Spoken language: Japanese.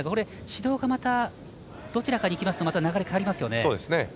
指導が、どちらかにいきますとまた流れが変わりますよね。